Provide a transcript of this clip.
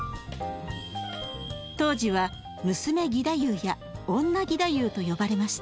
当時は「娘義太夫」や「女義太夫」と呼ばれました。